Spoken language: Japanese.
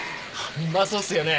うまそうっすよね。